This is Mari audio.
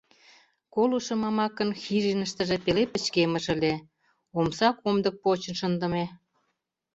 Колышо Мамакын хижиныштыже пеле пычкемыш ыле, омса комдык почын шындыме.